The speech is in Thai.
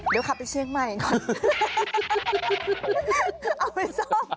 เดี๋ยวขับไปเชียงใหม่ก่อน